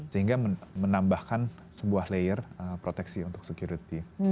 sehingga menambahkan sebuah layer proteksi untuk security